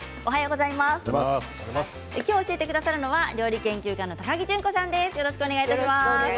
今日教えてくださるのは料理研究家の高城順子さんです。